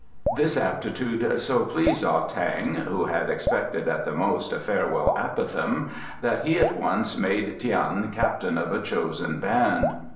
This aptitude so pleased Ah tang (who had expected at the most a farewell apophthegm) that he at once made Tian captain of a chosen band.